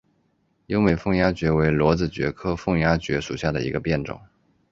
优美凤丫蕨为裸子蕨科凤丫蕨属下的一个变种。